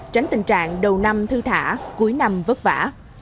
tránh tình trạng đầu năm thư thả cuối năm vất vả